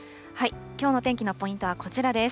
きょうの天気のポイントはこちらです。